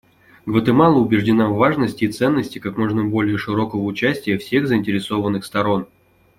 Гватемала убеждена в важности и ценности как можно более широкого участия всех заинтересованных сторон.